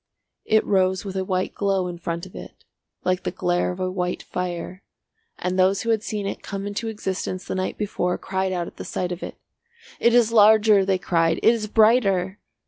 It rose with a white glow in front of it, like the glare of a white fire, and those who had seen it come into existence the night before cried out at the sight of it. "It is larger," they cried. "It is brighter!"